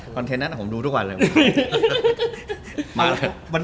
เทนต์นั้นผมดูทุกวันเลย